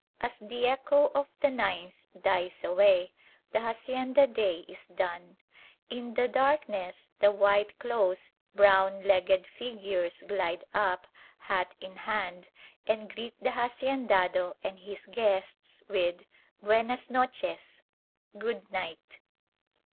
As the echo of the ninth dies away, the hacienda day is done. In the darkness the white clothed, brown legged figures glide up, hat in hand, and greet the haciendado and his guests with "Buenas noches!" ("Good night!").